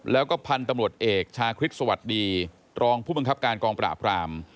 แล้วก็พันธุ์ตำรวจเอกชาคริสต์สวัสดีรองผู้บังคับการกองปราบราม